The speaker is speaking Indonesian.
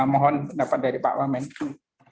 mohon pendapat dari pak wamenku